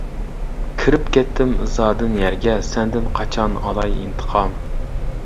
كىرىپ كەتتىم ئىزادىن يەرگە، سەندىن قاچان ئالاي ئىنتىقام؟ !